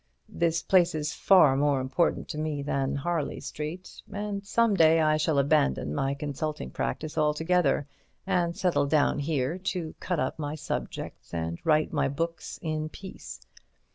This place is far more important to me than Harley Street, and some day I shall abandon my consulting practice altogether and settle down here to cut up my subjects and write my books in peace.